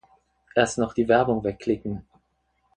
Erst noch die Werbung wegklicken.